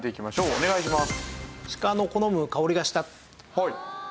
お願いします。